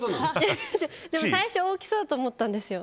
最初大きそうと思ったんですよ。